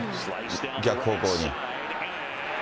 逆方向に。